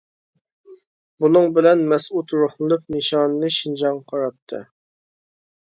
بۇنىڭ بىلەن مەسئۇد روھلىنىپ نىشانىنى شىنجاڭغا قاراتتى.